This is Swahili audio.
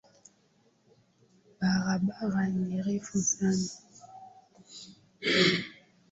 Barabara ni refu sana.